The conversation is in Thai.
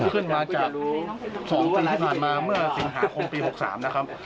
ขึ้นมาจาก๒ปีที่ผ่านมาเมื่อสิงหาคมปี๖๓นะครับ